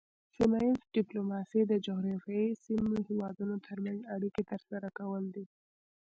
سیمه ایز ډیپلوماسي د جغرافیایي سیمې هیوادونو ترمنځ اړیکې ترسره کول دي